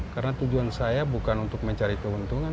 karena tujuan saya bukan untuk mencari keuntungan